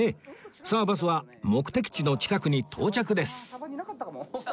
さあバスは目的地の近くに到着です